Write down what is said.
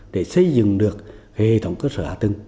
để xây dựng được hệ thống cơ sở hạ tầng